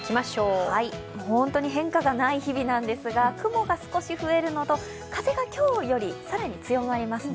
本当に変化がない日々なんですが雲が少し増えるのと、風が今日より更に強まりますね。